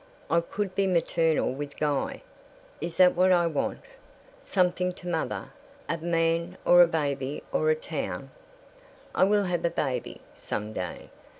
I could be maternal with Guy. Is that what I want, something to mother, a man or a baby or a town? I WILL have a baby. Some day.